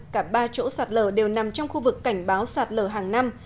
cả ba chỗ sạt lở đều nằm trong khu vực cảnh báo sạt lở hàng năm